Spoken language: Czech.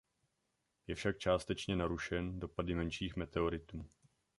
Je však částečně narušen dopady menších meteoritů.